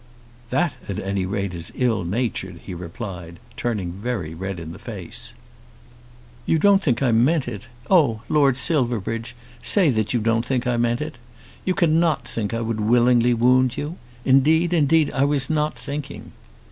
"That at any rate is ill natured," he replied, turning very red in the face. "You don't think I meant it. Oh, Lord Silverbridge, say that you don't think I meant it. You cannot think I would willingly wound you. Indeed, indeed, I was not thinking."